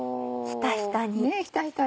ひたひたにね。